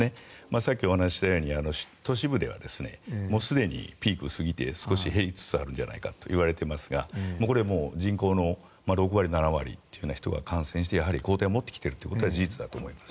さっきお話ししたように都市部ではもうすでにピークを過ぎて少し減りつつあるんじゃないかといわれていますがこれはもう人口の６割、７割という人が感染して抗体を持ってきていることは事実だと思います。